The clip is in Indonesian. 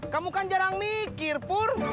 kamu kan jarang mikir pur